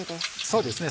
そうですね